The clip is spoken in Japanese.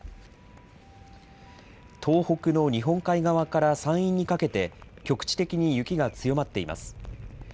東北の日本海側から山陰にかけて局地的に雪が強まっています。